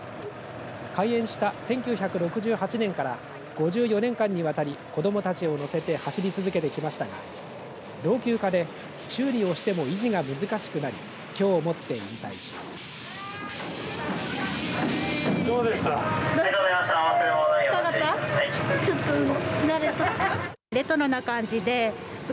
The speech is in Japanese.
開園した１９６８年から５４年間にわたり子どもたちを乗せて走り続けてきましたが老朽化で修理をしても維持が難しくなりきょうをもって引退します。